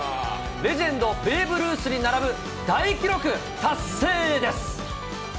レジェンド、ベーブ・ルースに並ぶ大記録達成です。